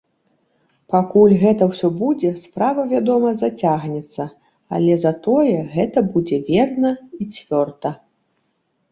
Пакуль гэта ўсё будзе, справа, вядома, зацягнецца, але затое гэта будзе верна і цвёрда.